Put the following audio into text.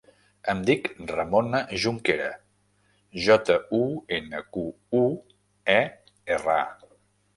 Em dic Ramona Junquera: jota, u, ena, cu, u, e, erra, a.